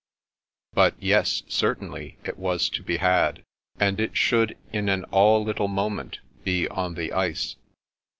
But yes, certainly, it was to be had. And it should in an all little moment be on the ice.